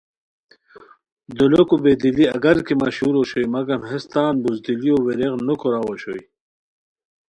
دولوکو بے دلی اگرکی مشہور اوشوئے مگم ہیس تان بزدلیو و یریغ نو کوراؤ اوشوئے